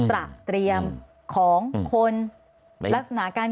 ระเตรียมของคนลักษณะการ